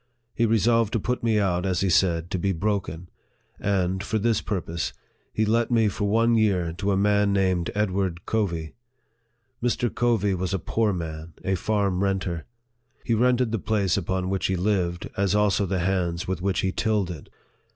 He resolved to put me out, as he said, to be broken ; and, for this purpose, he let me for one year to a man named Ed ward Covey. Mr. Covey was a poor man, a farm renter. He rented the place upon which he lived, as also the hands with which he tilled it.